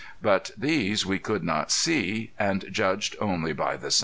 But these we could not see and judged only by the sound.